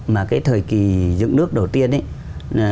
mà cái thời kỳ dựng nước đầu tiên ấy